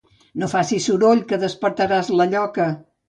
No facis soroll, que despertaràs la lloca.